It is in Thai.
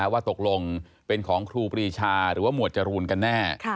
ว่าตกลงเป็นของครูปรีชาหรือว่าหมวดจรูนกันแน่